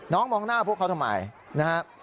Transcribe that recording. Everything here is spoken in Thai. มองหน้าพวกเขาทำไมนะครับ